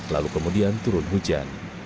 lalu kemudian turun hujan